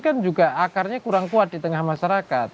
kan juga akarnya kurang kuat di tengah masyarakat